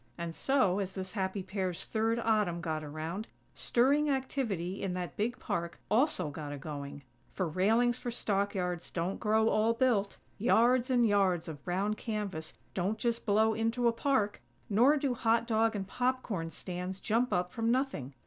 And so, as this happy pair's third Autumn got around, stirring activity in that big park also got a going; for railings for stockyards don't grow all built; yards and yards of brown canvas don't just blow into a park; nor do "hot dog" and popcorn stands jump up from nothing.